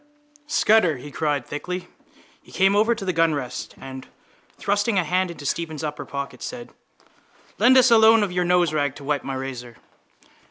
—Scutter! he cried thickly. He came over to the gunrest and, thrusting a hand into Stephen's upper pocket, said: —Lend us a loan of your noserag to wipe my razor.